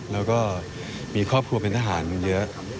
แล้วก็มีครอบครัวเป็นทหารมันเยอะ